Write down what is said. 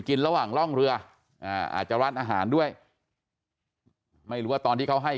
ระหว่างร่องเรืออาจจะร้านอาหารด้วยไม่รู้ว่าตอนที่เขาให้